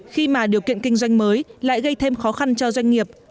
khi mà điều kiện kinh doanh mới lại gây thêm khó khăn cho doanh nghiệp